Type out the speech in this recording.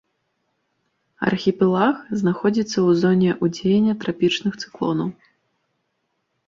Архіпелаг знаходзіцца ў зоне ўздзеяння трапічных цыклонаў.